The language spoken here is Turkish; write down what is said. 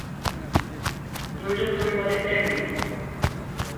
Duyduk duymadık demeyin!